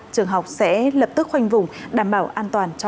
trường học sẽ lập tức khoanh vùng đảm bảo an toàn cho học sinh